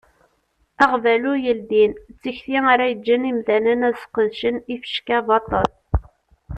Aɣbalu yeldin d tikti ara yeǧǧen imdanen ad sqedcen ifecka baṭel.